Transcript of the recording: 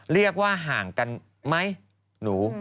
เรียกว่าห่างกันไหมหนู